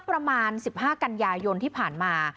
ประมาณ๑๕กันยายนที่ผ่านมา